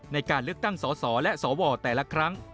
ในการเลือกตั้งสสและสวแต่ละครั้ง